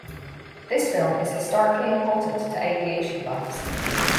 This film is historically important to aviation buffs.